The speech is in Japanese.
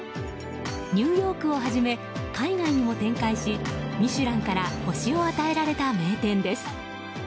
ニューヨークをはじめ海外にも展開しミシュランから星を与えられた名店です。